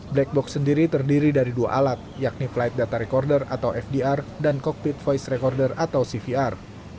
black box sendiri terdiri dari dua alat yakni flight data recorder atau fdr dan cockpit voice recorder atau cvr